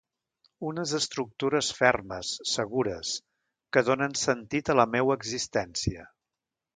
Unes estructures fermes, segures, que donen sentit a la meua existència.